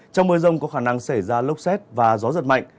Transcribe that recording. trong mưa rông có khả năng xảy ra lốc xét và gió giật mạnh